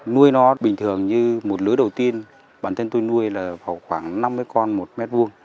nuôi nó bình thường như một lứa đầu tiên bản thân tôi nuôi là khoảng năm mươi con một m hai